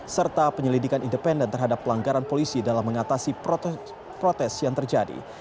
serta penyelidikan independen terhadap pelanggaran polisi dalam mengatasi protes yang terjadi